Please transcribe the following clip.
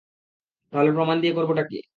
তাহলে প্রমাণ দিয়ে করবোটা কী?